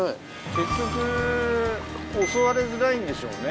結局襲われづらいんでしょうね。